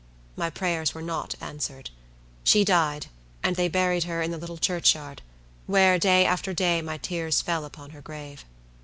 My prayers were not answered. She died, and they buried her in the little churchyard, where, day after day, my tears fell upon her grave.